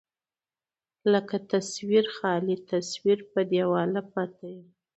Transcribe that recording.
لکه تصوير، خالي تصوير په دېواله پاتې يم